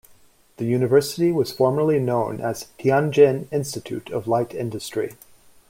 The university was formerly known as Tianjin Institute of Light Industry.